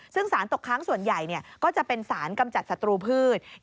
ซึ่งสารตกค้างส่วนใหญ่ก็จะเป็นสารกำจัดศัตรูพืช